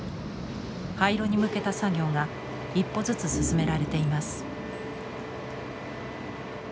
廃炉に向けた作業が一歩ずつ進められています。